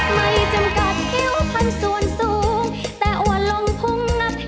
ไม่จำกัดเข้าผ่านส่วนสูงแต่อว่าลงพุงนับเห็น